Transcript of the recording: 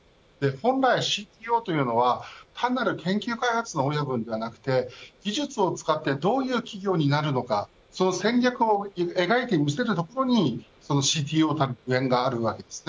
本来ＣＴＯは単なる研究開発の親分ではなくて技術を使ってどういう企業になるのかその戦略を描いてみせるところにＣＴＯたるゆえんがあるわけです。